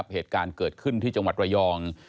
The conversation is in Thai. เหตุการณ์เกิดขึ้นที่จังหวัดระยอง